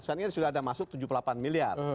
sekarang ini sudah ada masuk tujuh puluh delapan miliar